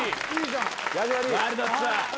ワールドツアー。